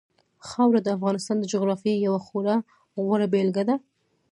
خاوره د افغانستان د جغرافیې یوه خورا غوره بېلګه ده.